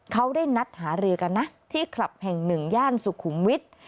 เขาได้นัดหารือกันนะที่คลับแห่งหนึ่งย่านสุขุมวิทย์